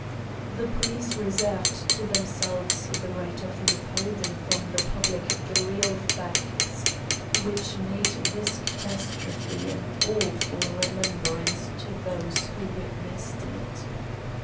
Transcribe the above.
The police reserved to themselves the right of withholding from the public the real facts which made this catastrophe an awful remembrance to those who witnessed it.